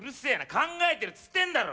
考えてるっつってんだろ！